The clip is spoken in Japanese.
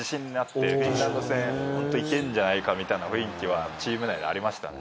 フィンランド戦いけんじゃないかみたいな雰囲気はチーム内でありましたね。